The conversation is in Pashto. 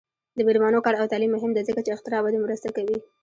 د میرمنو کار او تعلیم مهم دی ځکه چې اختراع ودې مرسته کوي.